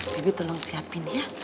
bebe tolong siapin ya